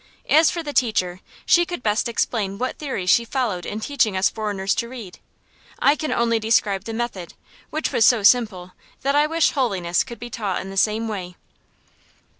As for the teacher, she could best explain what theory she followed in teaching us foreigners to read. I can only describe the method, which was so simple that I wish holiness could be taught in the same way.